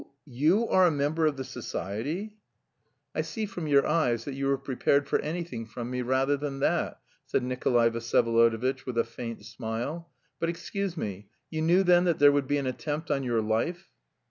you are a member of the society?" "I see from your eyes that you were prepared for anything from me rather than that," said Nikolay Vsyevolodovitch, with a faint smile. "But, excuse me, you knew then that there would be an attempt on your life?"